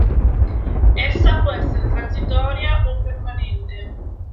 Essa può essere transitoria o permanente.